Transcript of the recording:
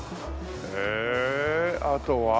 へえあとは。